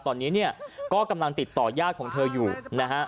ตอนนี้เนี่ยก็กำลังติดต่อยาดของเธออยู่นะฮะ